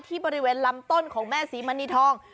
บริเวณลำต้นของแม่ศรีมณีทอง